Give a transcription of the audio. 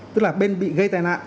tức là bên bị gây tai nạn